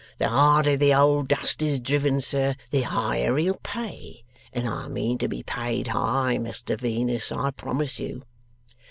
The harder the old Dust is driven, sir, the higher he'll pay. And I mean to be paid high, Mr Venus, I promise you.